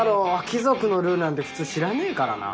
貴族のルールなんて普通知らねえからな。